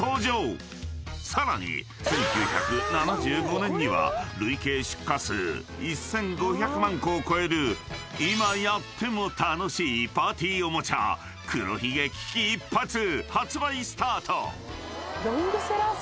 ［さらに１９７５年には累計出荷数１，５００万個を超える今やっても楽しいパーティーおもちゃ黒ひげ危機一発発売スタート！］